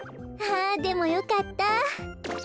あでもよかった。